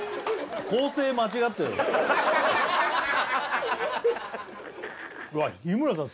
構成間違ってるわっ日村さん